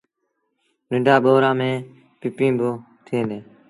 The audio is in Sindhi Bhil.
ننڍآن ٻوڙآن ميݩ پپيٚن با ٿئيٚݩ ديٚݩ۔